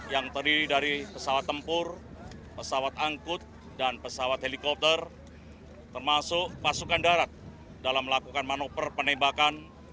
yang terdiri dari pesawat tempur pesawat angkut dan pesawat helikopter termasuk pasukan darat dalam melakukan manuver penembakan